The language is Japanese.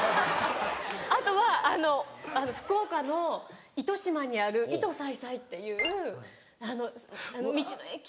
あとはあの福岡の糸島にある伊都菜彩っていうあの道の駅が。